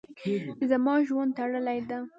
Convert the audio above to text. زما ژوند تړلی ده.